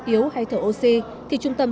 yếu hay thở oxy thì trung tâm